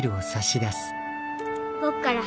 僕から。